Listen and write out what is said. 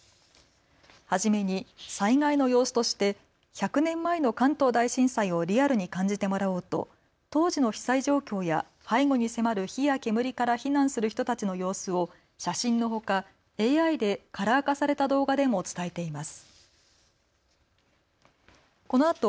初めに災害の様子として１００年前の関東大震災をリアルに感じてもらおうと当時の被災状況や背後に迫る火や煙から避難する人たちの様子を写真のほかＡＩでカラー化された動画でも伝えています。